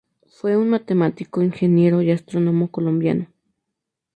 Fue un matemático, ingeniero y astrónomo colombiano.